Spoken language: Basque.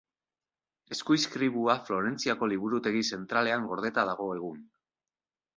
Eskuizkribua Florentziako Liburutegi zentralean gordeta dago egun.